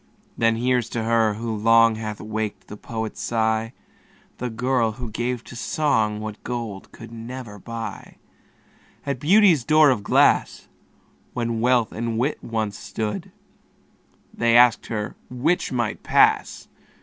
Then here's to her, who long Hath waked the poet's sigh, The girl who gave to song What gold could never buy. At Beauty's door of glass, When Wealth and Wit once stood, They asked her 'which might pass?"